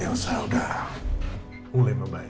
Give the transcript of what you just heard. keadaan elsa udah mulai membaik